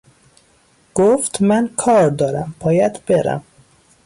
گفت من کار دارم باید برم